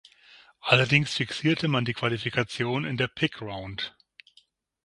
Allerdings fixierte man die Qualifikation in der "Pick-Round".